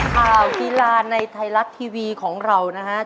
ข่าวธีราณในไทรลักษณ์ทีวีของเรานะฮะ